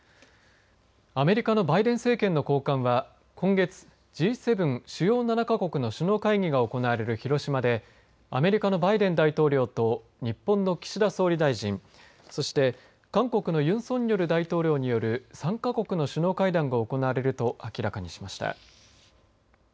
アメリカのバイデン政権の高官は今月、Ｇ７、主要７か国の首脳会議が行われる広島でアメリカのバイデン大統領と日本の岸田総理大臣そして韓国のユン・ソンニョル大統領による３か国の首脳会談が行われると明らかにしました。